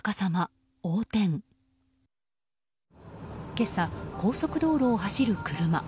今朝、高速道路を走る車。